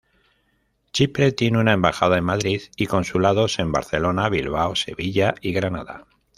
Chipre tiene una embajada en Madrid y consulados en Barcelona, Bilbao, Sevilla y Granada.